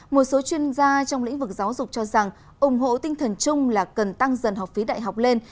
một số chuyên gia trong lĩnh vực giáo dục cho rằng ủng hộ tinh thần chung là cần tăng dần học phí đại học lên